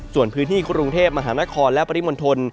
ส่วนพื้นที่กรุงเทพมหานครและปริมณฑล